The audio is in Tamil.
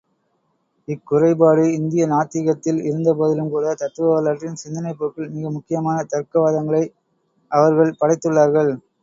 இக்குறைபாடு இந்திய நாத்திகத்தில் இருந்தபோதிலும் கூட, தத்துவ வரலாற்றின் சிந்தனைப்போக்கில் மிக முக்கியமான தர்க்க வாதங்களை அவர்கள் படைத்துள்ளார்கள்.